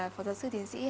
phó giáo sư tiến sĩ